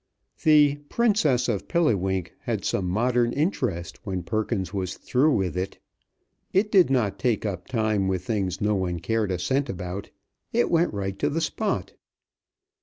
The "Princess of Pilliwink" had some modern interest when Perkins was through with it. It did not take up time with things no one cared a cent about. It went right to the spot.